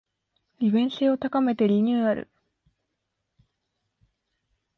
利便性を高めてリニューアル